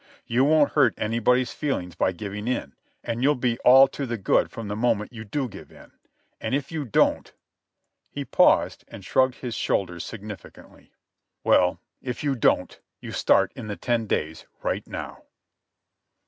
You won't hurt anybody's feelings by giving in, and you'll be all to the good from the moment you do give in. And if you don't—" He paused and shrugged his shoulders significantly. "Well, if you don't, you start in the ten days right now."